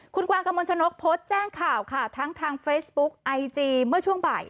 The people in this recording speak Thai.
คุณกวางกระมวลชนกโพสต์แจ้งข่าวค่ะทั้งทางเฟซบุ๊กไอจีเมื่อช่วงบ่าย